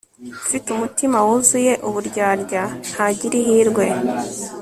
ufite umutima wuzuye uburyarya, ntagira ihirwe